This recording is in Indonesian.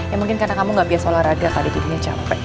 ya mungkin karena kamu gak biasa olahraga pada dirinya capek